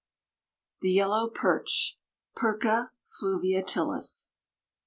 ] THE YELLOW PERCH. (_Perca fluviatilis.